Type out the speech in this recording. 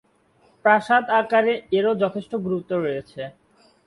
প্রসাদ আকারে এরও যথেষ্ট গুরুত্ব রয়েছে।